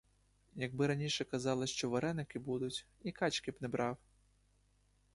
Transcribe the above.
Якби раніше казала, що вареники будуть — і качки б не брав.